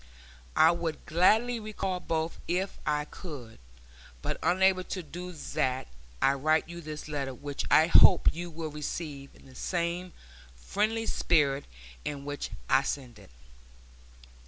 I would gladly recall both if I could, but unable to do that I write you this letter which I hope you will receive in the same friendly spirit in which I send it.